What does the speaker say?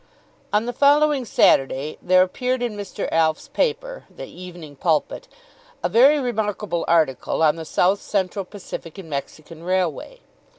On the following Saturday there appeared in Mr. Alf's paper, the "Evening Pulpit," a very remarkable article on the South Central Pacific and Mexican Railway.